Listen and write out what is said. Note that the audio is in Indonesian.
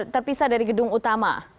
terpisah dari gedung utama